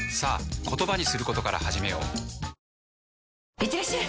いってらっしゃい！